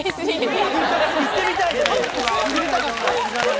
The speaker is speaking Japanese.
いってみたい。